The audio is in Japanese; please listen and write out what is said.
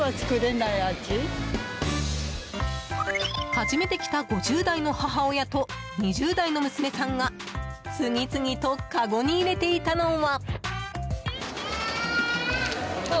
初めて来た５０代の母親と２０代の娘さんが次々とかごに入れていたのは。